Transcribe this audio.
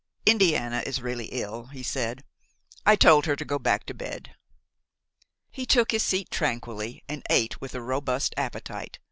"Indiana is really ill," he said, "I told her to go back to bed." He took his seat tranquilly and ate with a robust appetite.